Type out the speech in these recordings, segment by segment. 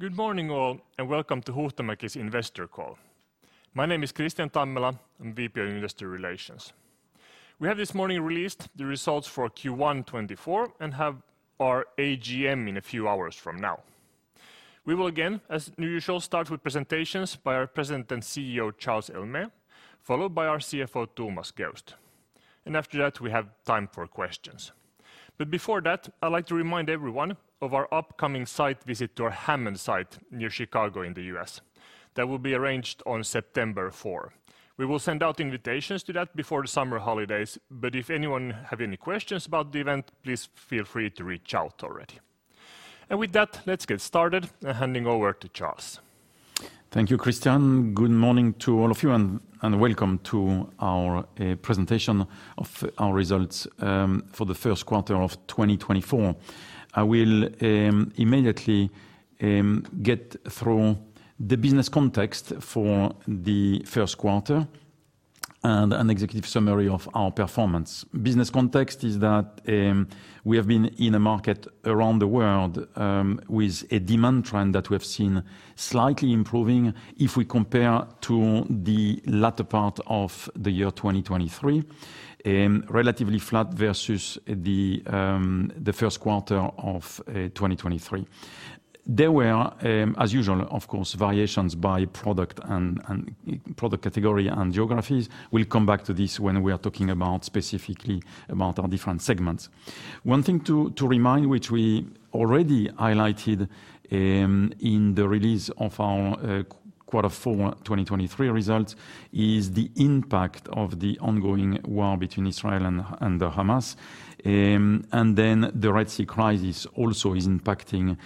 Good morning all, and welcome to Huhtamäki's investor call. My name is Kristian Tammela, I'm VP of Investor Relations. We have this morning released the results for Q1 2024 and have our AGM in a few hours from now. We will again, as new usual, start with presentations by our President and CEO Charles Héaulmé, followed by our CFO Thomas Geust. After that we have time for questions. Before that, I'd like to remind everyone of our upcoming site visit to our Hammond site near Chicago in the U.S. That will be arranged on September 4. We will send out invitations to that before the summer holidays, but if anyone has any questions about the event, please feel free to reach out already. With that, let's get started, handing over to Charles. Thank you, Kristian. Good morning to all of you, and welcome to our presentation of our results for the first quarter of 2024. I will immediately get through the business context for the first quarter and an executive summary of our performance. Business context is that we have been in a market around the world with a demand trend that we have seen slightly improving if we compare to the latter part of the year 2023, relatively flat versus the first quarter of 2023. There were, as usual, of course, variations by product category and geographies. We'll come back to this when we are talking specifically about our different segments. One thing to remind, which we already highlighted in the release of our Q4 2023 results, is the impact of the ongoing war between Israel and Hamas. Then the Red Sea crisis also is impacting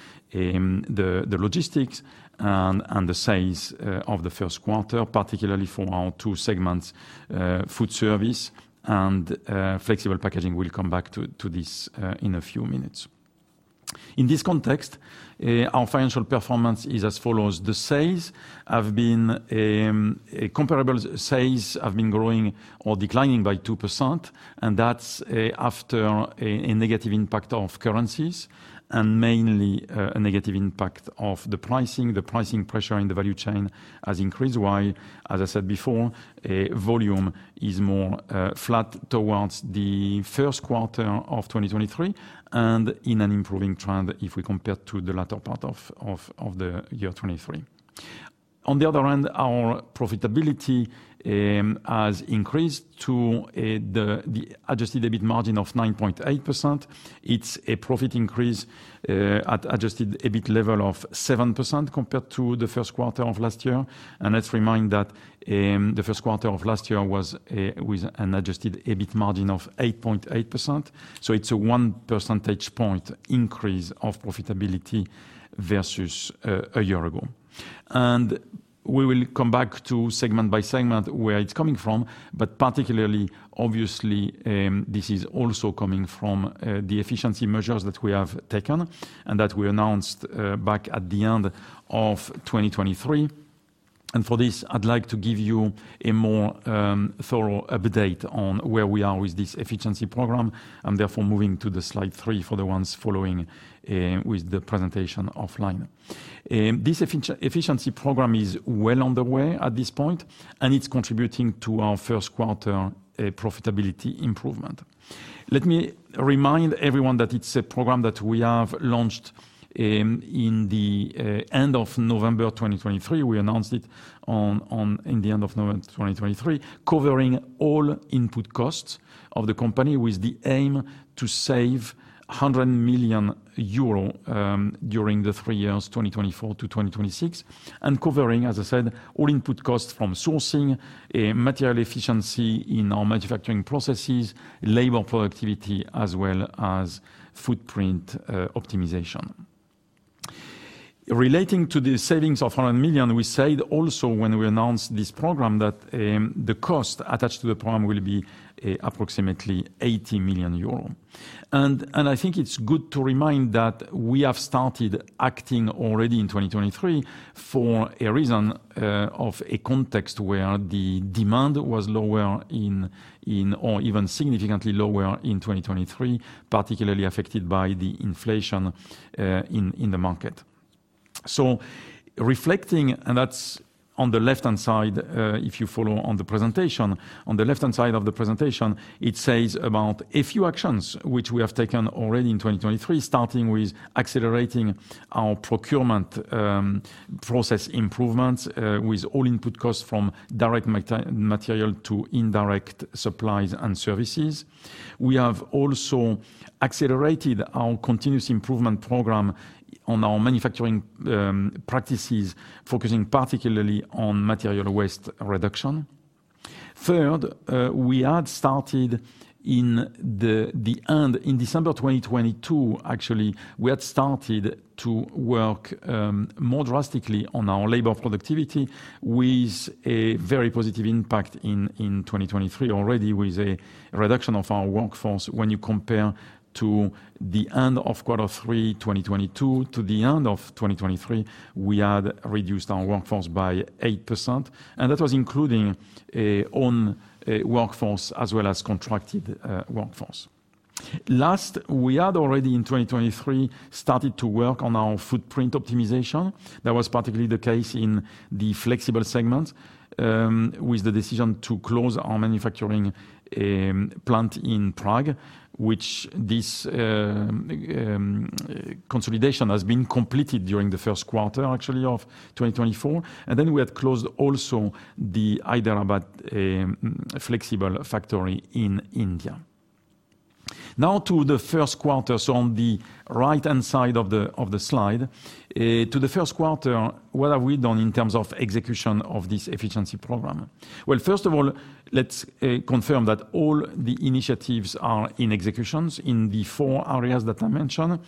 the logistics and the sales of the first quarter, particularly for our two segments, Foodservice and Flexible Packaging. We'll come back to this in a few minutes. In this context, our financial performance is as follows: the sales have been comparable, sales have been growing or declining by 2%, and that's after a negative impact of currencies and mainly a negative impact of the pricing. The pricing pressure in the value chain has increased, while, as I said before, volume is more flat towards the first quarter of 2023 and in an improving trend if we compare to the latter part of the year 2023. On the other hand, our profitability has increased to the adjusted EBIT margin of 9.8%. It's a profit increase at adjusted EBIT level of 7% compared to the first quarter of last year. Let's remind that the first quarter of last year was with an adjusted EBIT margin of 8.8%. So it's a one percentage point increase of profitability versus a year ago. We will come back to segment by segment where it's coming from, but particularly, obviously, this is also coming from the efficiency measures that we have taken and that we announced back at the end of 2023. For this, I'd like to give you a more thorough update on where we are with this efficiency program. I'm therefore moving to slide three for the ones following with the presentation offline. This efficiency program is well on the way at this point, and it's contributing to our first quarter profitability improvement. Let me remind everyone that it's a program that we have launched in the end of November 2023. We announced it in the end of November 2023, covering all input costs of the company with the aim to save 100 million euro during the three years, 2024 to 2026, and covering, as I said, all input costs from sourcing, material efficiency in our manufacturing processes, labor productivity, as well as footprint optimization. Relating to the savings of 100 million, we said also when we announced this program that the cost attached to the program will be approximately 80 million euro. I think it's good to remind that we have started acting already in 2023 for a reason of a context where the demand was lower or even significantly lower in 2023, particularly affected by the inflation in the market. So reflecting, and that's on the left-hand side if you follow on the presentation, on the left-hand side of the presentation, it says about a few actions which we have taken already in 2023, starting with accelerating our procurement process improvements with all input costs from direct material to indirect supplies and services. We have also accelerated our continuous improvement program on our manufacturing practices, focusing particularly on material waste reduction. Third, we had started in the end, in December 2022, actually, we had started to work more drastically on our labor productivity with a very positive impact in 2023 already, with a reduction of our workforce. When you compare to the end of Q3 2022 to the end of 2023, we had reduced our workforce by 8%, and that was including our own workforce as well as contracted workforce. Last, we had already in 2023 started to work on our footprint optimization. That was particularly the case in the flexible segment with the decision to close our manufacturing plant in Prague, which this consolidation has been completed during the first quarter, actually, of 2024. And then we had closed also the Hyderabad flexible factory in India. Now to the first quarter. So on the right-hand side of the slide, to the first quarter, what have we done in terms of execution of this efficiency program? Well, first of all, let's confirm that all the initiatives are in execution in the four areas that I mentioned.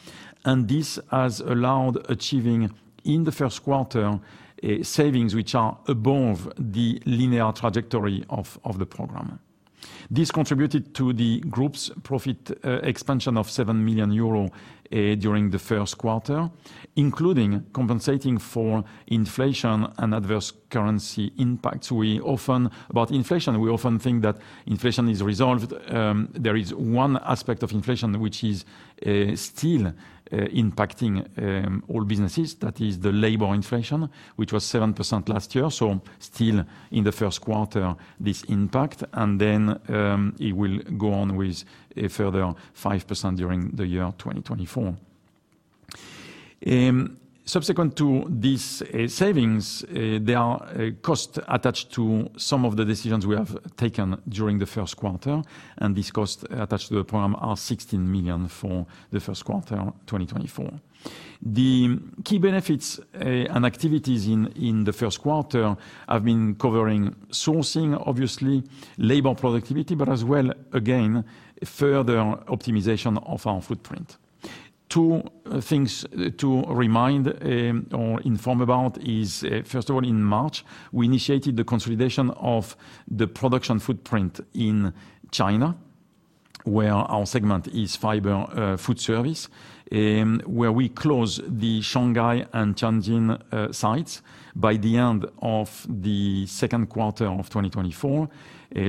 And this has allowed achieving in the first quarter savings which are above the linear trajectory of the program. This contributed to the group's profit expansion of 7 million euro during the first quarter, including compensating for inflation and adverse currency impacts. We often talk about inflation. We often think that inflation is resolved. There is one aspect of inflation which is still impacting all businesses, that is the labor inflation, which was 7% last year. So still in the first quarter, this impact, and then it will go on with a further 5% during the year 2024. Subsequent to these savings, there are costs attached to some of the decisions we have taken during the first quarter, and these costs attached to the program are 16 million for the first quarter 2024. The key benefits and activities in the first quarter have been covering sourcing, obviously, labor productivity, but as well, again, further optimization of our footprint. Two things to remind or inform about is, first of all, in March, we initiated the consolidation of the production footprint in China, where our segment is Fiber Foodservice, where we closed the Shanghai and Tianjin sites by the end of the second quarter of 2024.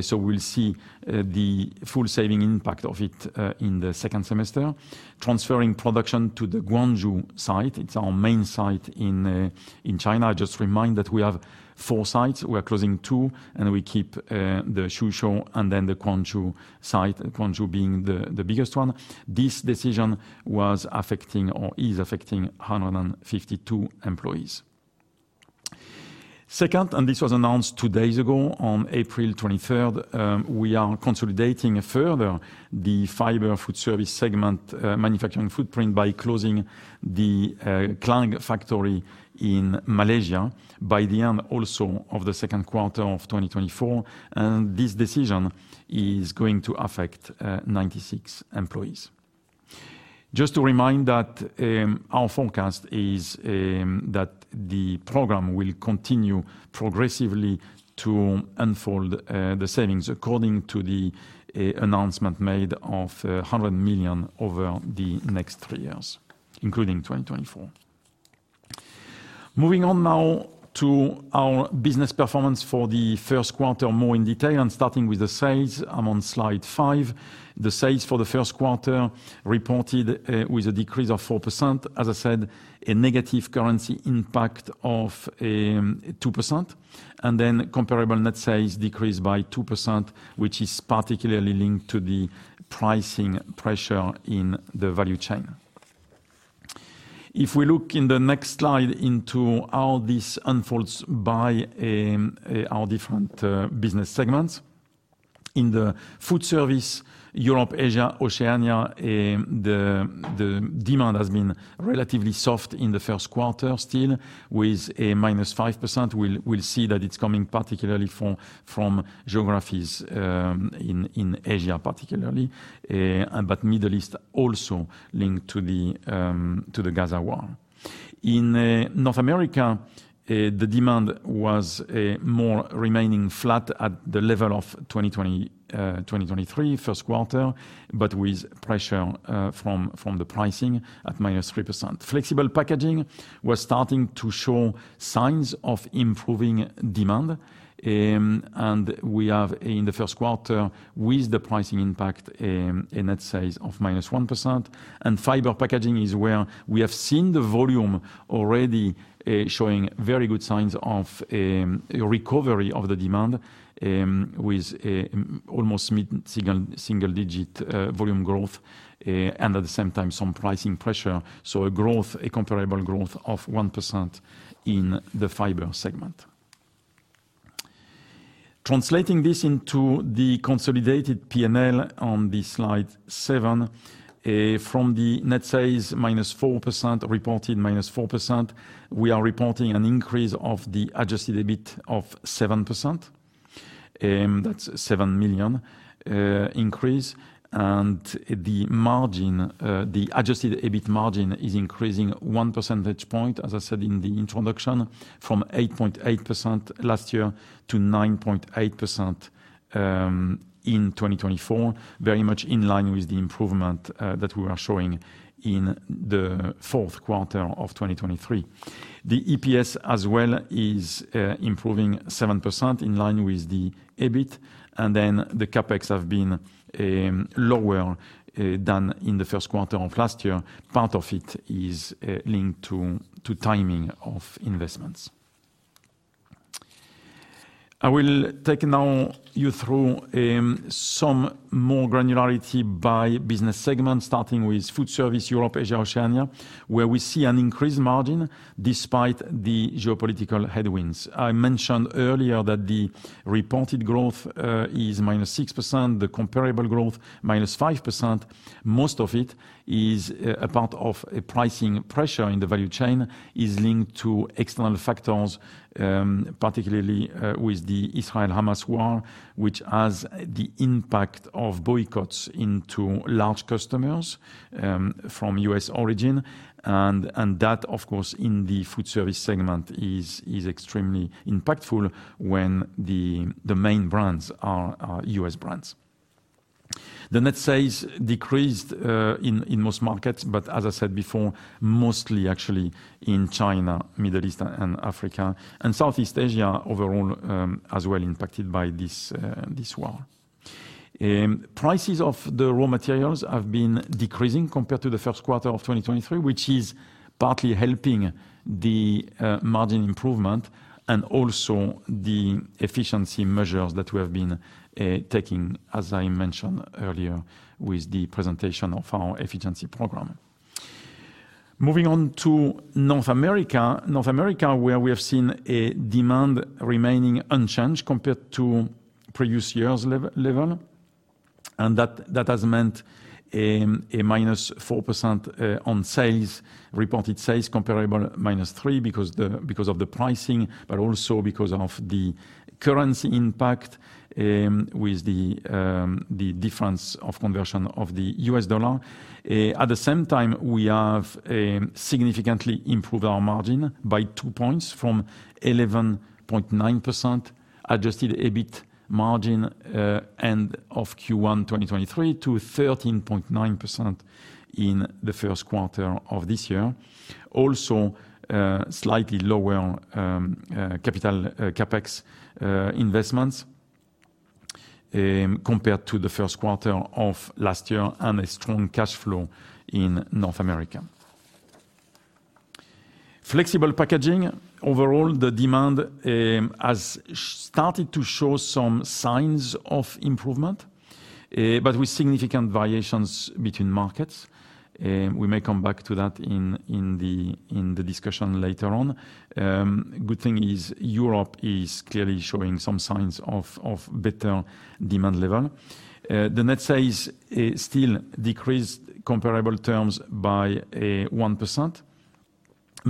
So we'll see the full saving impact of it in the second semester, transferring production to the Guangzhou site. It's our main site in China. I just remind that we have four sites. We are closing two, and we keep the Suzhou and then the Guangzhou site, Guangzhou being the biggest one. This decision was affecting or is affecting 152 employees. Second, and this was announced two days ago, on April 23rd, we are consolidating further the Fiber foodservice segment manufacturing footprint by closing the Klang factory in Malaysia by the end also of the second quarter of 2024. This decision is going to affect 96 employees. Just to remind that our forecast is that the program will continue progressively to unfold the savings according to the announcement made of 100 million over the next three years, including 2024. Moving on now to our business performance for the first quarter more in detail, and starting with the sales, I'm on slide 5. The sales for the first quarter reported with a decrease of 4%, as I said, a negative currency impact of 2%, and then comparable net sales decreased by 2%, which is particularly linked to the pricing pressure in the value chain. If we look in the next slide into how this unfolds by our different business segments, in the Foodservice Europe-Asia-Oceania, the demand has been relatively soft in the first quarter still with a -5%. We'll see that it's coming particularly from geographies in Asia, particularly, but Middle East also linked to the Gaza war. In North America, the demand was more remaining flat at the level of 2023 first quarter, but with pressure from the pricing at -3%. Flexible Packaging was starting to show signs of improving demand. And we have in the first quarter with the pricing impact a net sales of -1%. And Fiber Packaging is where we have seen the volume already showing very good signs of a recovery of the demand with almost single-digit volume growth and at the same time some pricing pressure. So a growth, a comparable growth of 1% in the fiber segment. Translating this into the consolidated P&L on this slide 7, from the net sales -4%, reported -4%, we are reporting an increase of the adjusted EBIT of 7%. That's a 7 million increase. The margin, the Adjusted EBIT margin is increasing one percentage point, as I said in the introduction, from 8.8% last year to 9.8% in 2024, very much in line with the improvement that we were showing in the fourth quarter of 2023. The EPS as well is improving 7% in line with the EBIT. Then the CapEx has been lower than in the first quarter of last year. Part of it is linked to timing of investments. I will now take you through some more granularity by business segment, starting with Foodservice Europe-Asia-Oceania, where we see an increased margin despite the geopolitical headwinds. I mentioned earlier that the reported growth is -6%, the comparable growth -5%. Most of it is a part of pricing pressure in the value chain, is linked to external factors, particularly with the Israel-Hamas war, which has the impact of boycotts into large customers from U.S. origin. That, of course, in the Foodservice segment is extremely impactful when the main brands are U.S. brands. The net sales decreased in most markets, but as I said before, mostly actually in China, Middle East, and Africa, and Southeast Asia overall as well impacted by this war. Prices of the raw materials have been decreasing compared to the first quarter of 2023, which is partly helping the margin improvement and also the efficiency measures that we have been taking, as I mentioned earlier with the presentation of our efficiency program. Moving on to North America. North America, where we have seen a demand remaining unchanged compared to previous year's level. And that has meant a -4% on sales, reported sales, comparable -3% because of the pricing, but also because of the currency impact with the difference of conversion of the US dollar. At the same time, we have significantly improved our margin by 2 points from 11.9% adjusted EBIT margin end of Q1 2023 to 13.9% in the first quarter of this year, also slightly lower capital CapEx investments compared to the first quarter of last year and a strong cash flow in North America. Flexible Packaging. Overall, the demand has started to show some signs of improvement, but with significant variations between markets. We may come back to that in the discussion later on. Good thing is Europe is clearly showing some signs of better demand level. The net sales still decreased comparable terms by 1%,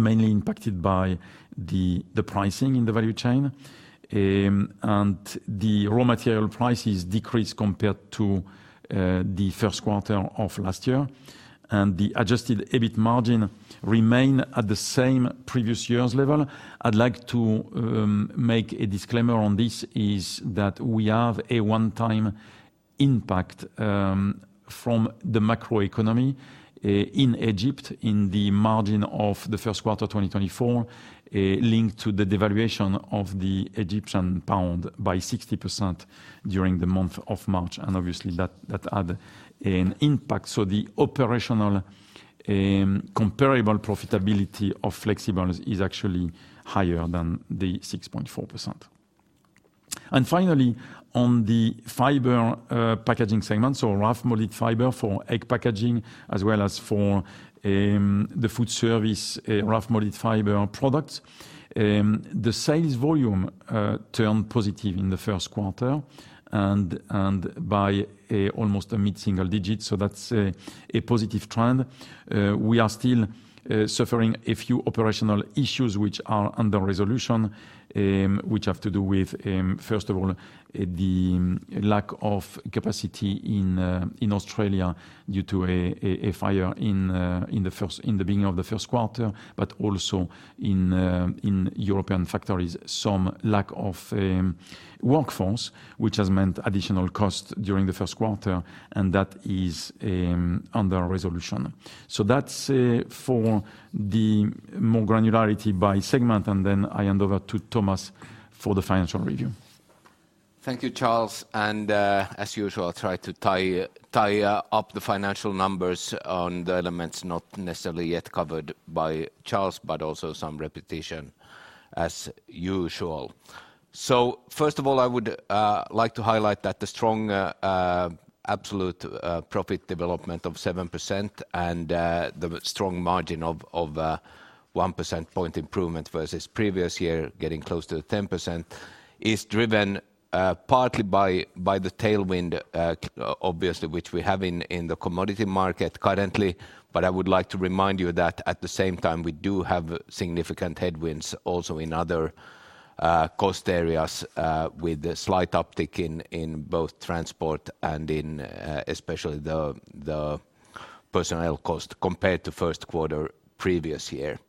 mainly impacted by the pricing in the value chain. The raw material prices decreased compared to the first quarter of last year, and the adjusted EBIT margin remained at the same previous year's level. I'd like to make a disclaimer on this is that we have a one-time impact from the macroeconomy in Egypt in the margin of the first quarter 2024, linked to the devaluation of the Egyptian pound by 60% during the month of March. And obviously, that had an impact. So the operational comparable profitability of flexibles is actually higher than the 6.4%. And finally, on the Fiber Packaging segment, so rough molded fiber for egg packaging as well as for the Foodservice, rough molded fiber products, the sales volume turned positive in the first quarter and by almost a mid-single digit. So that's a positive trend. We are still suffering a few operational issues which are under resolution, which have to do with, first of all, the lack of capacity in Australia due to a fire in the beginning of the first quarter, but also in European factories, some lack of workforce, which has meant additional costs during the first quarter, and that is under resolution. So that's for the more granularity by segment. And then I hand over to Thomas for the financial review. Thank you, Charles. And as usual, I'll try to tie up the financial numbers on the elements not necessarily yet covered by Charles, but also some repetition as usual. So first of all, I would like to highlight that the strong absolute profit development of 7% and the strong margin of 1 percentage point improvement versus previous year getting close to the 10% is driven partly by the tailwind, obviously, which we have in the commodity market currently. But I would like to remind you that at the same time, we do have significant headwinds also in other cost areas with a slight uptick in both transport and especially the personnel cost compared to first quarter previous year.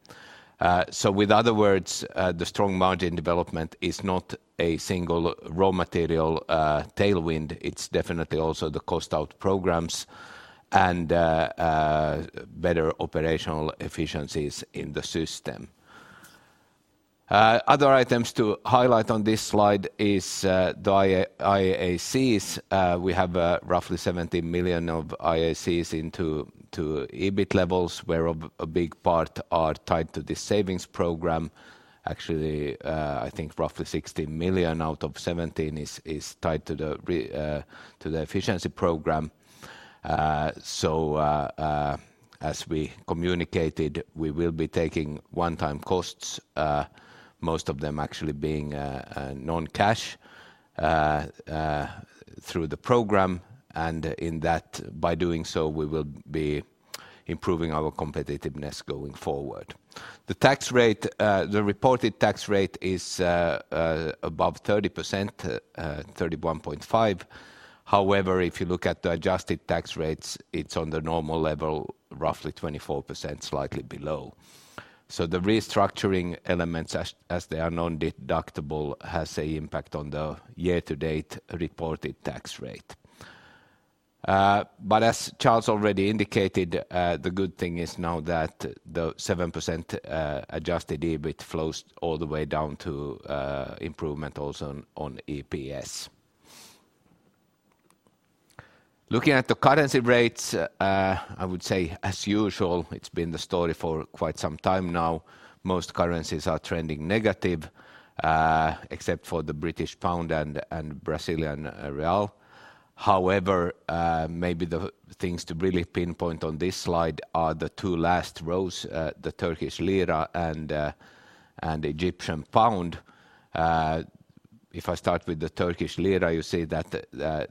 So with other words, the strong margin development is not a single raw material tailwind. It's definitely also the cost-out programs and better operational efficiencies in the system. Other items to highlight on this slide is the IACs. We have roughly 17 million of IACs into EBIT levels, where a big part are tied to this savings program. Actually, I think roughly 16 million out of 17 million is tied to the efficiency program. So as we communicated, we will be taking one-time costs, most of them actually being non-cash through the program. And by doing so, we will be improving our competitiveness going forward. The reported tax rate is above 30%, 31.5%. However, if you look at the adjusted tax rates, it's on the normal level, roughly 24%, slightly below. So the restructuring elements, as they are non-deductible, have an impact on the year-to-date reported tax rate. But as Charles already indicated, the good thing is now that the 7% adjusted EBIT flows all the way down to improvement also on EPS. Looking at the currency rates, I would say as usual, it's been the story for quite some time now. Most currencies are trending negative, except for the British pound and Brazilian real. However, maybe the things to really pinpoint on this slide are the two last rows, the Turkish lira and the Egyptian pound. If I start with the Turkish lira, you see that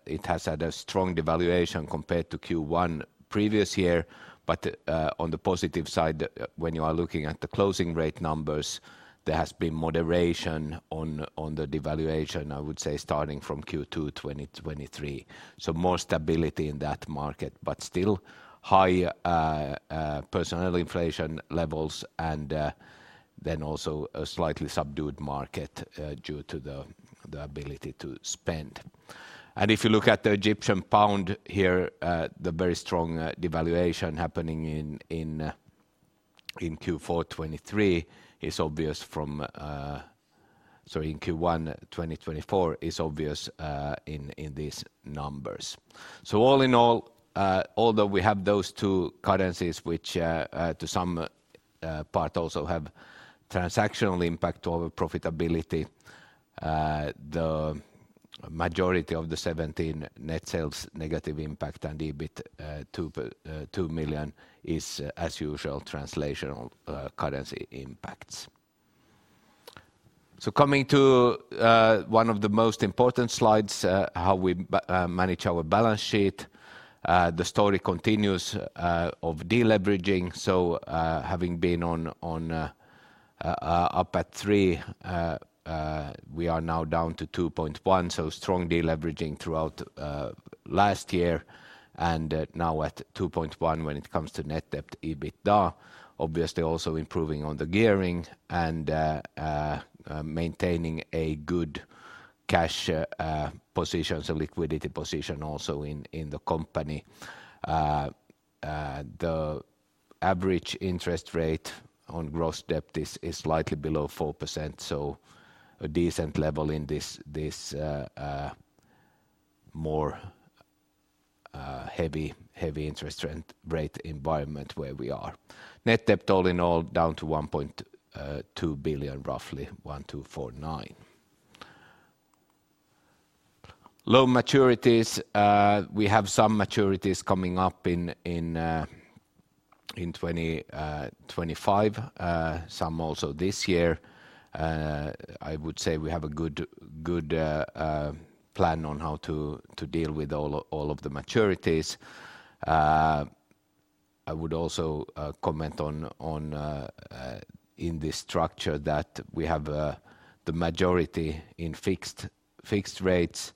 it has had a strong devaluation compared to Q1 previous year. But on the positive side, when you are looking at the closing rate numbers, there has been moderation on the devaluation, I would say, starting from Q2 2023. So more stability in that market, but still high personnel inflation levels and then also a slightly subdued market due to the ability to spend. And if you look at the Egyptian pound here, the very strong devaluation happening in Q4 2023 is obvious from... Sorry, in Q1 2024 is obvious in these numbers. So all in all, although we have those two currencies which to some part also have transactional impact to our profitability, the majority of the 17 million net sales negative impact and EBIT 2 million is as usual translational currency impacts. So coming to one of the most important slides, how we manage our balance sheet, the story continues of deleveraging. So having been up at 3, we are now down to 2.1%. So strong deleveraging throughout last year and now at 2.1% when it comes to net debt EBITDA, obviously also improving on the gearing and maintaining a good cash position, so liquidity position also in the company. The average interest rate on gross debt is slightly below 4%, so a decent level in this more heavy interest rate environment where we are. Net debt all in all down to 1.2 billion, roughly 1,249 million. Low maturities. We have some maturities coming up in 2025, some also this year. I would say we have a good plan on how to deal with all of the maturities. I would also comment on in this structure that we have the majority in fixed rates.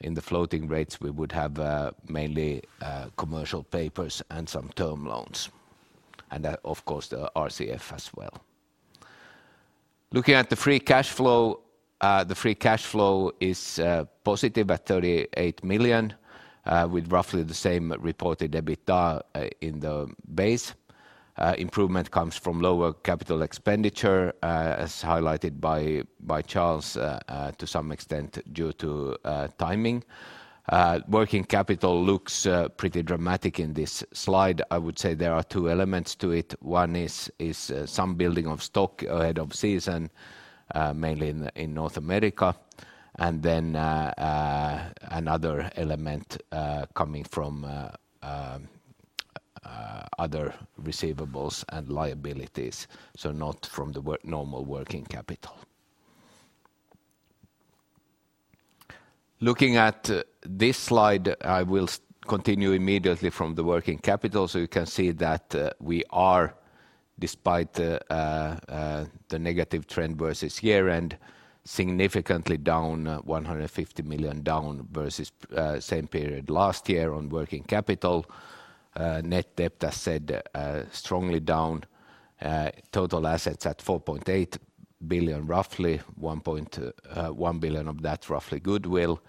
In the floating rates, we would have mainly commercial papers and some term loans. And of course, the RCF as well. Looking at the free cash flow, the free cash flow is positive at 38 million with roughly the same reported EBITDA in the base. Improvement comes from lower capital expenditure, as highlighted by Charles to some extent due to timing. Working capital looks pretty dramatic in this slide. I would say there are two elements to it. One is some building of stock ahead of season, mainly in North America. Then another element coming from other receivables and liabilities, so not from the normal working capital. Looking at this slide, I will continue immediately from the working capital. So you can see that we are, despite the negative trend versus year-end, significantly down, 150 million down versus same period last year on working capital. Net debt, as said, strongly down. Total assets at 4.8 billion, roughly 1.1 billion of that roughly goodwill.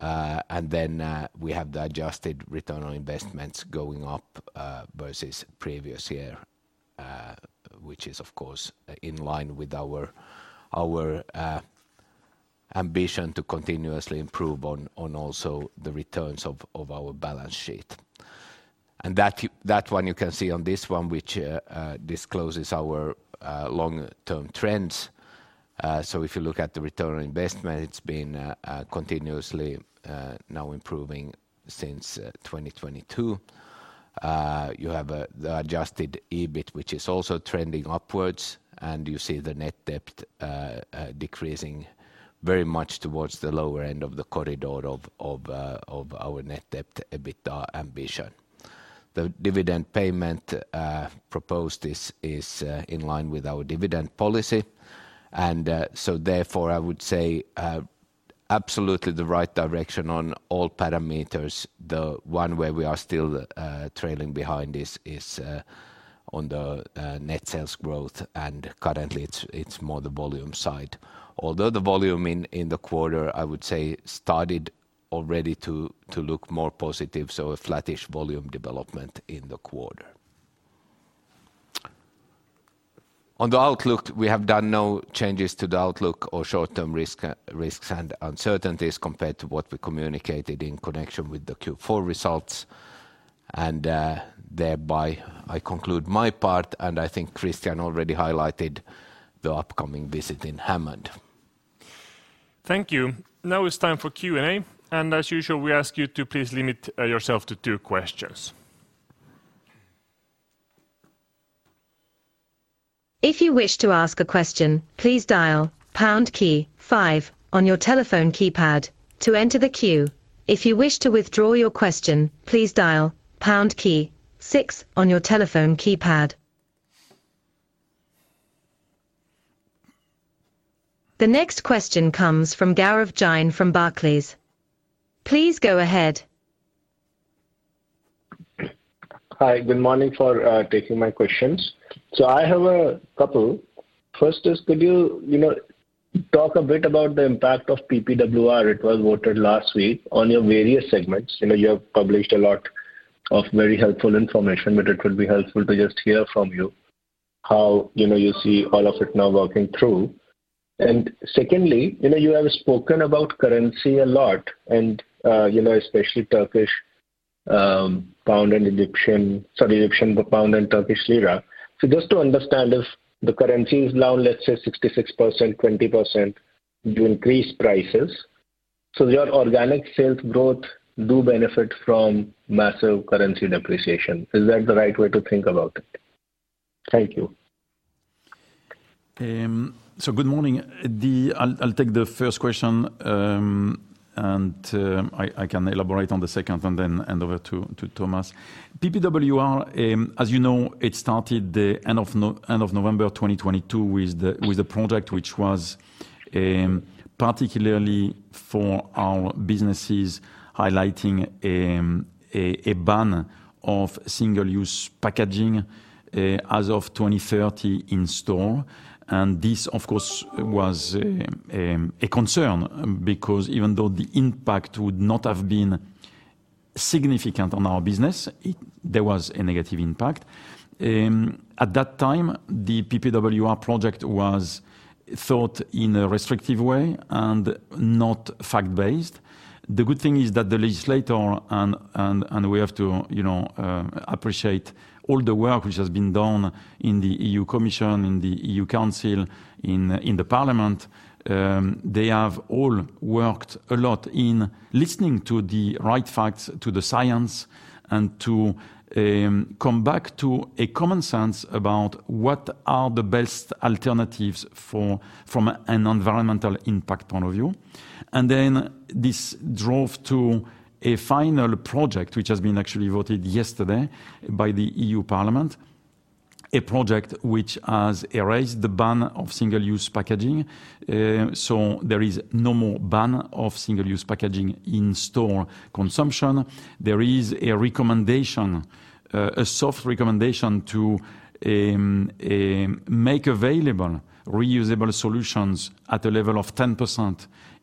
And then we have the adjusted return on investments going up versus previous year, which is, of course, in line with our ambition to continuously improve on also the returns of our balance sheet. And that one you can see on this one, which discloses our long-term trends. So if you look at the return on investment, it's been continuously now improving since 2022. You have the adjusted EBIT, which is also trending upwards. And you see the net debt decreasing very much towards the lower end of the corridor of our net debt EBITDA ambition. The dividend payment proposed is in line with our dividend policy. And so therefore, I would say absolutely the right direction on all parameters. The one where we are still trailing behind is on the net sales growth. And currently, it's more the volume side. Although the volume in the quarter, I would say, started already to look more positive. So a flattish volume development in the quarter. On the outlook, we have done no changes to the outlook or short-term risks and uncertainties compared to what we communicated in connection with the Q4 results. And thereby, I conclude my part. And I think Kristian already highlighted the upcoming visit in Hammond. Thank you. Now it's time for Q&A. As usual, we ask you to please limit yourself to two questions. If you wish to ask a question, please dial pound key five on your telephone keypad to enter the queue. If you wish to withdraw your question, please dial pound key six on your telephone keypad. The next question comes from Gaurav Jain from Barclays. Please go ahead. Hi. Good morning, thanks for taking my questions. So I have a couple. First is, could you talk a bit about the impact of PPWR? It was voted last week on your various segments. You have published a lot of very helpful information, but it would be helpful to just hear from you how you see all of it now working through. And secondly, you have spoken about currency a lot, and especially Egyptian pound and Turkish lira. So just to understand, if the currency is down, let's say 66%, 20%, you increase prices. So your organic sales growth do benefit from massive currency depreciation. Is that the right way to think about it? Thank you. So good morning. I'll take the first question, and I can elaborate on the second and then hand over to Thomas. PPWR, as you know, it started the end of November 2022 with a project which was particularly for our businesses highlighting a ban of single-use packaging as of 2030 in store. And this, of course, was a concern because even though the impact would not have been significant on our business, there was a negative impact. At that time, the PPWR project was thought in a restrictive way and not fact-based. The good thing is that the legislator... We have to appreciate all the work which has been done in the EU Commission, in the EU Council, in the Parliament. They have all worked a lot in listening to the right facts, to the science, and to come back to a common sense about what are the best alternatives from an environmental impact point of view. Then this drove to a final project which has been actually voted yesterday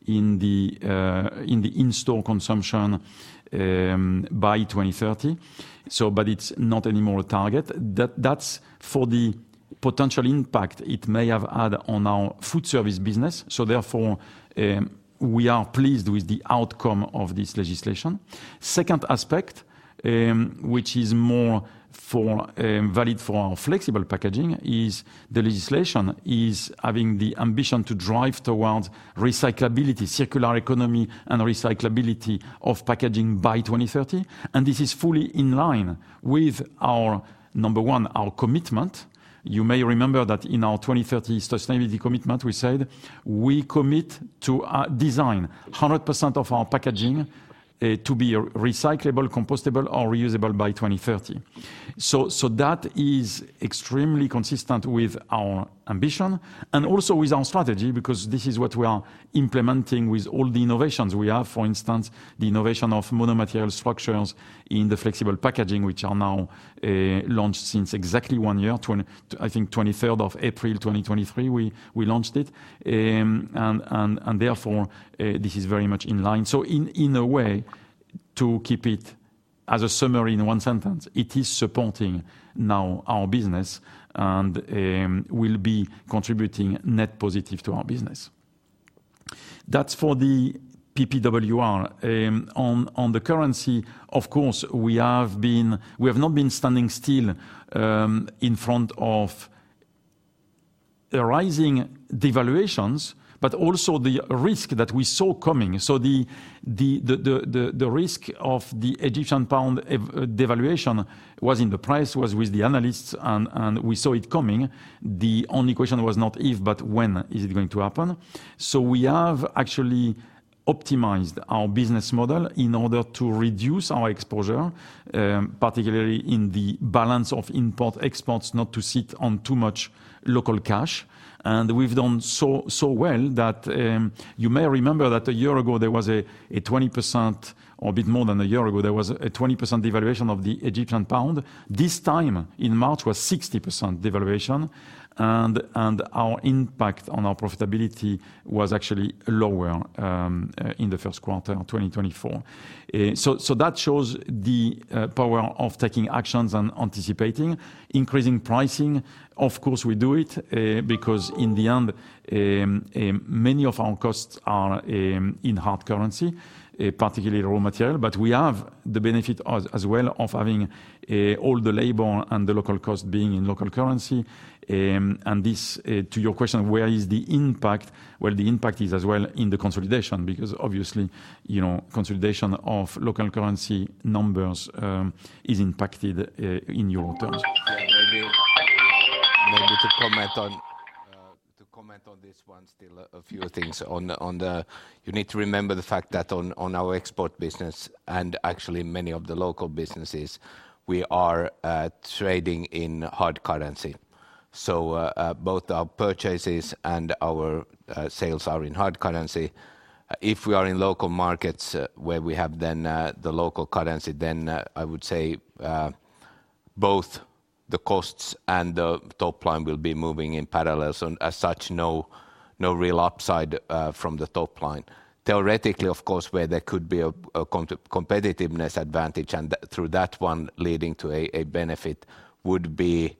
by the EU Parliament, a project which has erased the ban of single-use packaging. There is no more ban of single-use packaging in store consumption. There is a recommendation, a soft recommendation, to make available reusable solutions at a level of 10% in the in-store consumption by 2030. It's not anymore a target. That's for the potential impact it may have had on our Foodservice business. Therefore, we are pleased with the outcome of this legislation. Second aspect, which is more valid for our Flexible Packaging, is the legislation is having the ambition to drive towards recyclability, circular economy, and recyclability of packaging by 2030. This is fully in line with our, number one, our commitment. You may remember that in our 2030 sustainability commitment, we said we commit to design 100% of our packaging to be recyclable, compostable, or reusable by 2030. That is extremely consistent with our ambition and also with our strategy because this is what we are implementing with all the innovations we have. For instance, the innovation of monomaterial structures in the Flexible Packaging, which are now launched since exactly one year, I think 23rd of April 2023, we launched it. Therefore, this is very much in line. So in a way, to keep it as a summary in one sentence, it is supporting now our business and will be contributing net positive to our business. That's for the PPWR. On the currency, of course, we have not been standing still in front of rising devaluations, but also the risk that we saw coming. So the risk of the Egyptian pound devaluation was in the price, was with the analysts, and we saw it coming. The only question was not if, but when is it going to happen? So we have actually optimized our business model in order to reduce our exposure, particularly in the balance of import-exports, not to sit on too much local cash. And we've done so well that you may remember that a year ago, there was a 20% or a bit more than a year ago, there was a 20% devaluation of the Egyptian pound. This time in March was 60% devaluation. And our impact on our profitability was actually lower in the first quarter of 2024. So that shows the power of taking actions and anticipating, increasing pricing. Of course, we do it because in the end, many of our costs are in hard currency, particularly raw material. But we have the benefit as well of having all the labor and the local costs being in local currency. And this, to your question, where is the impact? Well, the impact is as well in the consolidation because obviously, consolidation of local currency numbers is impacted in euro terms. Yeah. Maybe to comment on this one still a few things. You need to remember the fact that on our export business and actually many of the local businesses, we are trading in hard currency. So both our purchases and our sales are in hard currency. If we are in local markets where we have then the local currency, then I would say both the costs and the top line will be moving in parallel. So as such, no real upside from the top line. Theoretically, of course, where there could be a competitiveness advantage and through that one leading to a benefit would be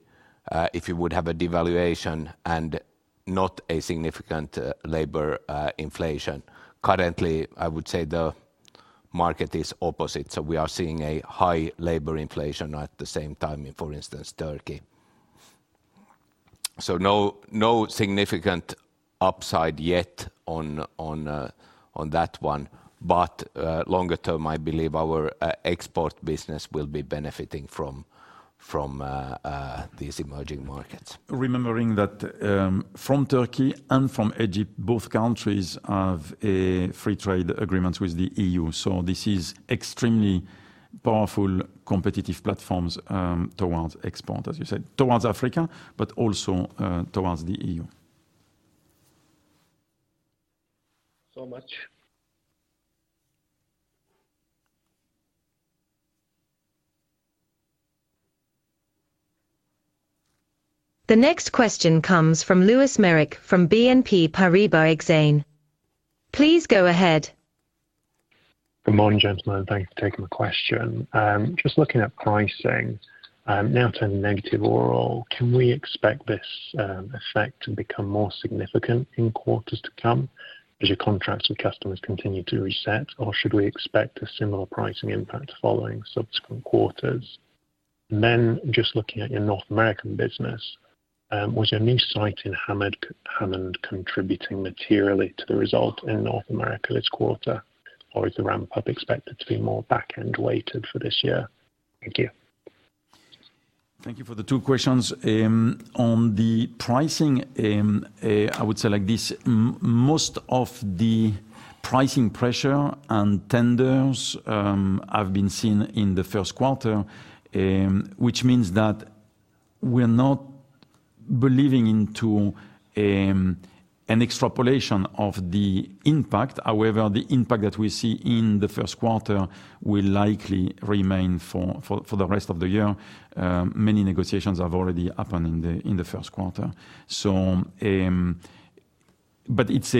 if you would have a devaluation and not a significant labor inflation. Currently, I would say the market is opposite. So we are seeing a high labor inflation at the same time in, for instance, Turkey. So no significant upside yet on that one. But longer term, I believe our export business will be benefiting from these emerging markets. Remembering that from Turkey and from Egypt, both countries have free trade agreements with the EU. So this is extremely powerful competitive platforms towards export, as you said, towards Africa, but also towards the EU. So much. The next question comes from Lewis Merrick from BNP Paribas Exane. Please go ahead. Good morning, gentlemen. Thanks for taking my question. Just looking at pricing, now turning negative overall, can we expect this effect to become more significant in quarters to come as your contracts with customers continue to reset, or should we expect a similar pricing impact following subsequent quarters? And then just looking at your North American business, was your new site in Hammond contributing materially to the result in North America this quarter, or is the ramp-up expected to be more back-end weighted for this year? Thank you. Thank you for the two questions. On the pricing, I would say like this, most of the pricing pressure and tenders have been seen in the first quarter, which means that we're not believing into an extrapolation of the impact. However, the impact that we see in the first quarter will likely remain for the rest of the year. Many negotiations have already happened in the first quarter. But it's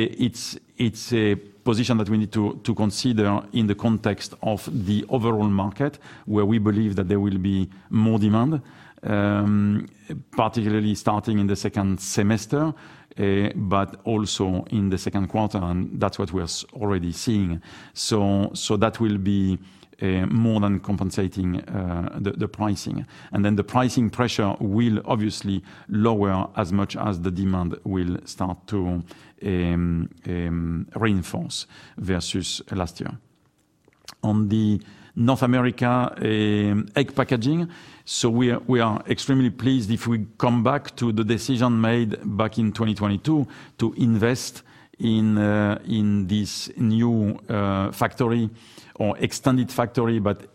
a position that we need to consider in the context of the overall market where we believe that there will be more demand, particularly starting in the second semester, but also in the second quarter. And that's what we are already seeing. So that will be more than compensating the pricing. And then the pricing pressure will obviously lower as much as the demand will start to reinforce versus last year. On the North America egg packaging, so we are extremely pleased if we come back to the decision made back in 2022 to invest in this new factory or extended factory. But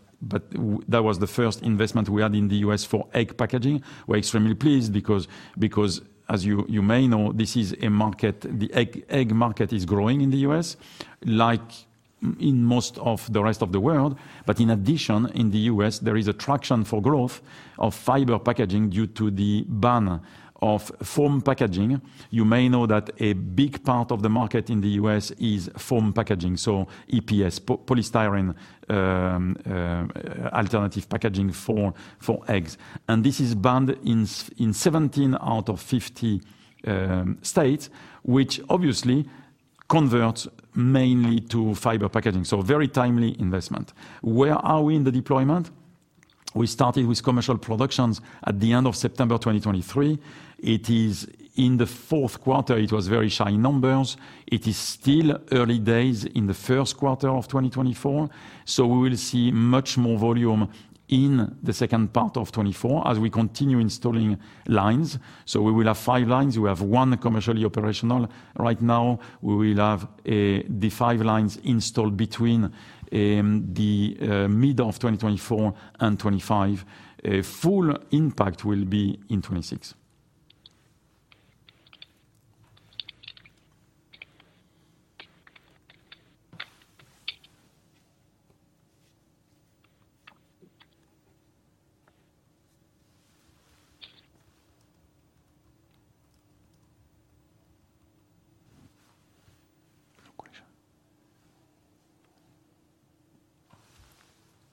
that was the first investment we had in the U.S. for egg packaging. We're extremely pleased because, as you may know, this is a market. The egg market is growing in the U.S., like in most of the rest of the world. But in addition, in the U.S., there is attraction for growth of Fiber Packaging due to the ban of foam packaging. You may know that a big part of the market in the U.S. is foam packaging, so EPS, polystyrene alternative packaging for eggs. And this is banned in 17 out of 50 states, which obviously converts mainly to Fiber Packaging. So very timely investment. Where are we in the deployment? We started with commercial productions at the end of September 2023. In the fourth quarter, it was very shy numbers. It is still early days in the first quarter of 2024. So we will see much more volume in the second part of 2024 as we continue installing lines. So we will have five lines. We have one commercially operational right now. We will have the five lines installed between the mid of 2024 and 2025. Full impact will be in 2026. No question.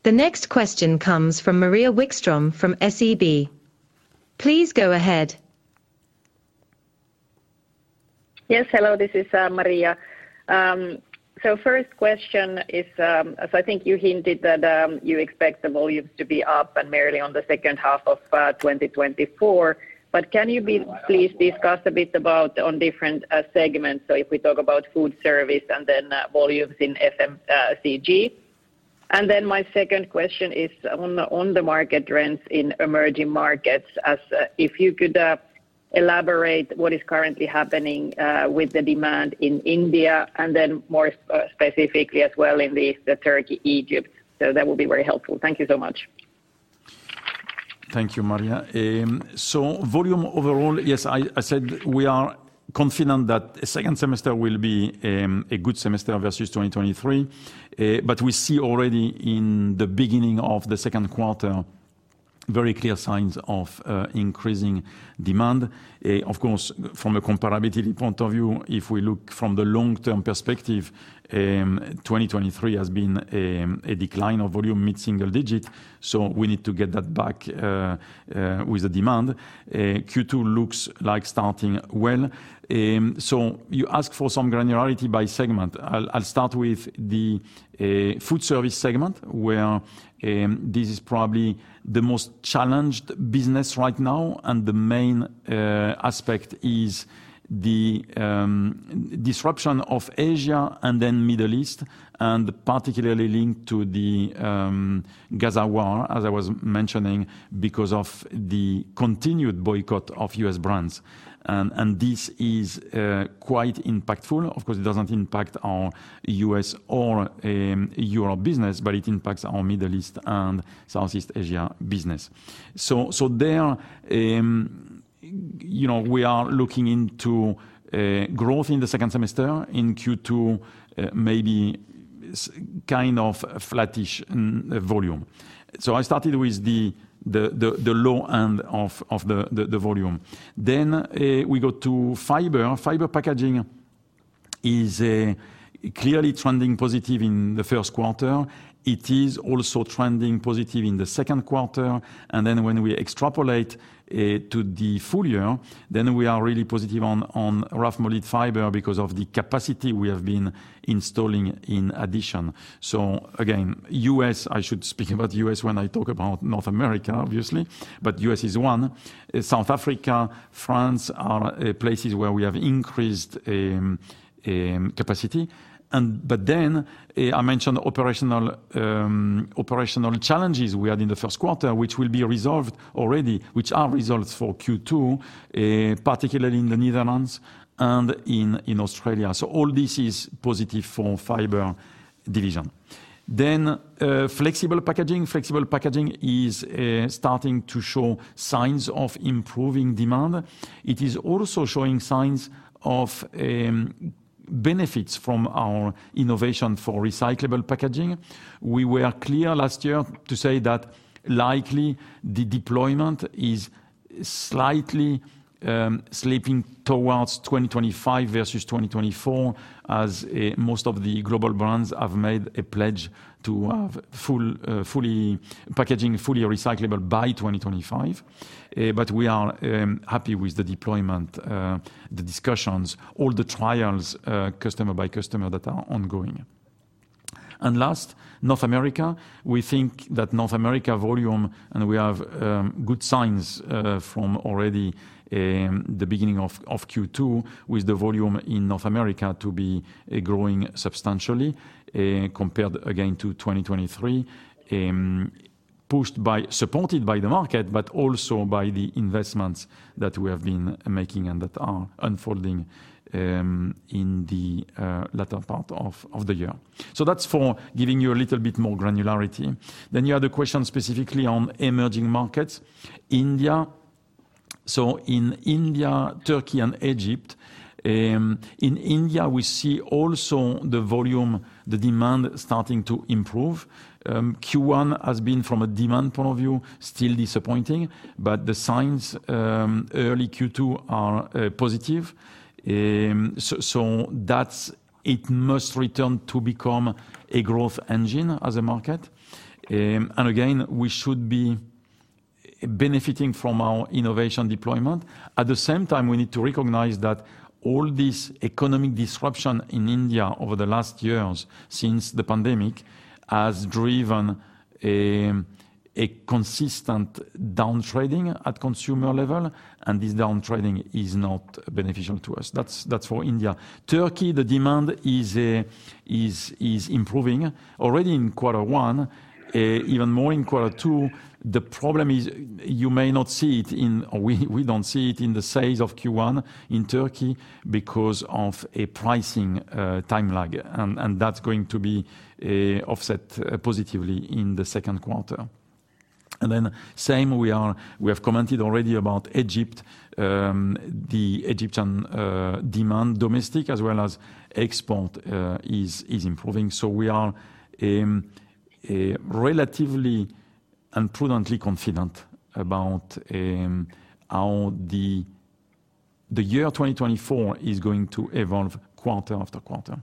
The next question comes from Maria Wikström from SEB. Please go ahead. Yes. Hello. This is Maria. So first question is, so I think you hinted that you expect the volumes to be up and merely on the second half of 2024. But can you please discuss a bit about different segments? So if we talk about Foodservice and then volumes in FMCG. And then my second question is on the market trends in emerging markets. If you could elaborate what is currently happening with the demand in India and then more specifically as well in Turkey, Egypt. So that would be very helpful. Thank you so much. Thank you, Maria. So volume overall, yes, I said we are confident that the second semester will be a good semester versus 2023. But we see already in the beginning of the second quarter very clear signs of increasing demand. Of course, from a comparability point of view, if we look from the long-term perspective, 2023 has been a decline of volume mid-single digit. So we need to get that back with the demand. Q2 looks like starting well. So you asked for some granularity by segment. I'll start with the Foodservice segment, where this is probably the most challenged business right now. And the main aspect is the disruption of Asia and then Middle East, and particularly linked to the Gaza War, as I was mentioning, because of the continued boycott of U.S. brands. And this is quite impactful. Of course, it doesn't impact our U.S. or Europe business, but it impacts our Middle East and Southeast Asia business. So there, we are looking into growth in the second semester, in Q2 maybe kind of flattish volume. So I started with the low end of the volume. Then we got to fiber. Fiber packaging is clearly trending positive in the first quarter. It is also trending positive in the second quarter. And then when we extrapolate to the full year, then we are really positive on rough molded fiber because of the capacity we have been installing in addition. So again, U.S., I should speak about U.S. when I talk about North America, obviously. But U.S. is one. South Africa, France are places where we have increased capacity. But then I mentioned operational challenges we had in the first quarter, which will be resolved already, which are results for Q2, particularly in the Netherlands and in Australia. So all this is positive for fiber division. Then Flexible Packaging. Flexible Packaging is starting to show signs of improving demand. It is also showing signs of benefits from our innovation for recyclable packaging. We were clear last year to say that likely the deployment is slightly slipping towards 2025 versus 2024, as most of the global brands have made a pledge to have fully packaging, fully recyclable by 2025. But we are happy with the deployment, the discussions, all the trials customer by customer that are ongoing. And last, North America. We think that North America volume, and we have good signs from already the beginning of Q2 with the volume in North America to be growing substantially compared again to 2023, supported by the market, but also by the investments that we have been making and that are unfolding in the latter part of the year. So that's for giving you a little bit more granularity. Then you had a question specifically on emerging markets. India. So in India, Turkey, and Egypt, in India, we see also the volume, the demand starting to improve. Q1 has been, from a demand point of view, still disappointing. But the signs early Q2 are positive. So it must return to become a growth engine as a market. And again, we should be benefiting from our innovation deployment. At the same time, we need to recognize that all this economic disruption in India over the last years since the pandemic has driven a consistent downtrading at consumer level. And this downtrading is not beneficial to us. That's for India. Turkey, the demand is improving already in Q1, even more in Q2. The problem is you may not see it in, or we don't see it in the sales of Q1 in Turkey because of a pricing time lag. And that's going to be offset positively in the second quarter. And then same, we have commented already about Egypt. The Egyptian demand domestic as well as export is improving. So we are relatively and prudently confident about how the year 2024 is going to evolve quarter after quarter.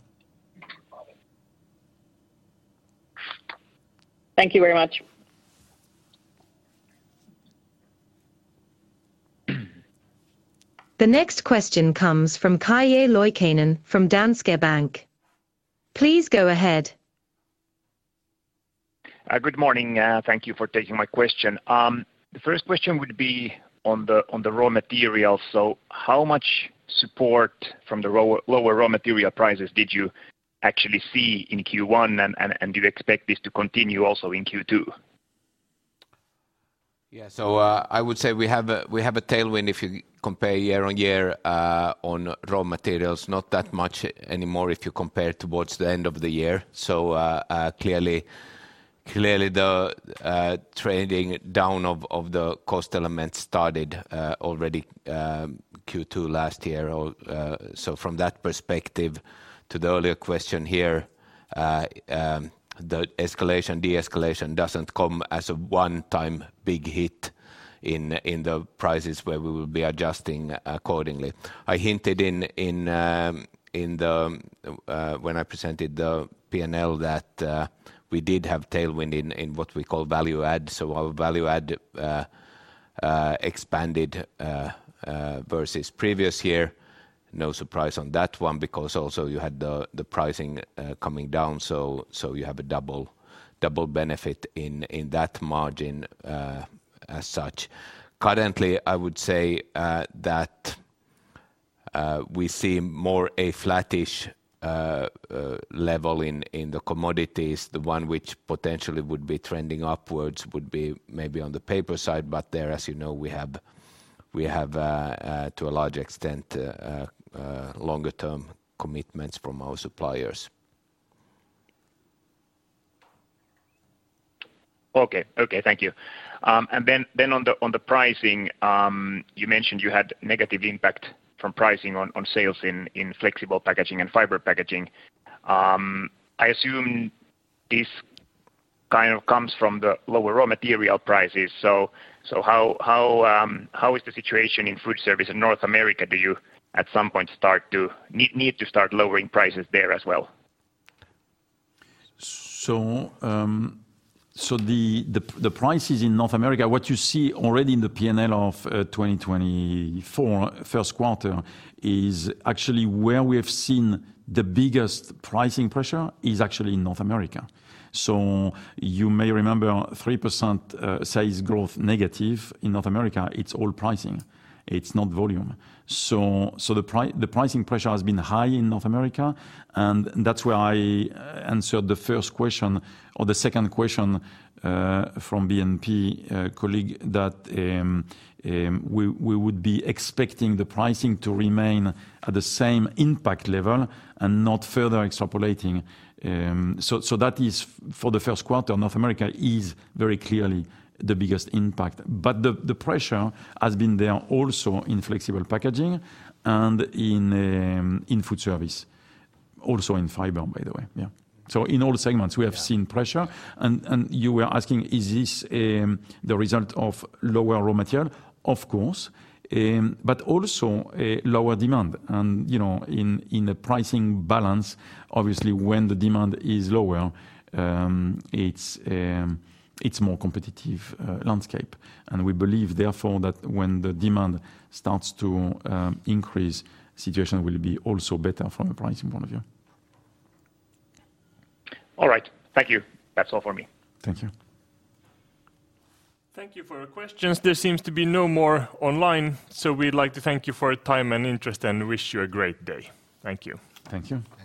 Thank you very much. The next question comes from Calle Loikkanen from Danske Bank. Please go ahead. Good morning. Thank you for taking my question. The first question would be on the raw materials. So how much support from the lower raw material prices did you actually see in Q1? And do you expect this to continue also in Q2? Yeah. So I would say we have a tailwind if you compare year-on-year on raw materials. Not that much anymore if you compare towards the end of the year. So clearly, the trading down of the cost elements started already Q2 last year. So from that perspective, to the earlier question here, the escalation, de-escalation doesn't come as a one-time big hit in the prices where we will be adjusting accordingly. I hinted in the when I presented the P&L that we did have tailwind in what we call value add. So our value add expanded versus previous year. No surprise on that one because also you had the pricing coming down. So you have a double benefit in that margin as such. Currently, I would say that we see more a flattish level in the commodities. The one which potentially would be trending upwards would be maybe on the paper side. But there, as you know, we have to a large extent longer-term commitments from our suppliers. Okay. Okay. Thank you. And then on the pricing, you mentioned you had negative impact from pricing on sales in Flexible Packaging and Fiber Packaging. I assume this kind of comes from the lower raw material prices. So how is the situation in Foodservice in North America? Do you at some point start to need to start lowering prices there as well? So the prices in North America, what you see already in the P&L of 2024 first quarter, is actually where we have seen the biggest pricing pressure, is actually in North America. So you may remember -3% sales growth in North America. It's all pricing. It's not volume. So the pricing pressure has been high in North America. And that's where I answered the first question or the second question from BNP colleague, that we would be expecting the pricing to remain at the same impact level and not further extrapolating. So that is for the first quarter. North America is very clearly the biggest impact. But the pressure has been there also in Flexible Packaging and in Foodservice, also in fiber, by the way. Yeah. So in all segments, we have seen pressure. And you were asking, is this the result of lower raw material? Of course. But also lower demand. And in a pricing balance, obviously, when the demand is lower, it's a more competitive landscape. And we believe, therefore, that when the demand starts to increase, the situation will be also better from a pricing point of view. All right. Thank you. That's all for me. Thank you. Thank you for your questions. There seems to be no more online. So we'd like to thank you for your time and interest and wish you a great day. Thank you. Thank you. Thank you.